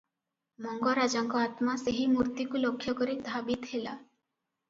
ମଙ୍ଗରାଜଙ୍କ ଆତ୍ମା ସେହି ମୂର୍ତ୍ତିକୁ ଲକ୍ଷ୍ୟକରି ଧାବିତ ହେଲା ।